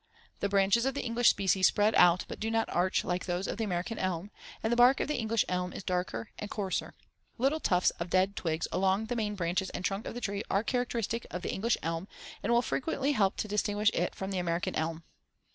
The branches of the English species spread out but do not arch like those of the American elm, and the bark of the English elm is darker and coarser, Fig. 38. Little tufts of dead twigs along the main branches and trunk of the tree are characteristic of the English elm and will frequently help to distinguish it from the American elm.